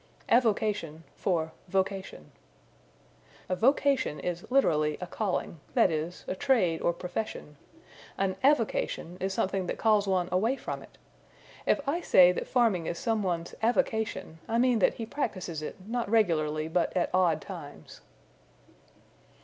Avocation for Vocation. A vocation is, literally, a calling; that is, a trade or profession. An avocation is something that calls one away from it. If I say that farming is some one's avocation I mean that he practises it, not regularly, but at odd times.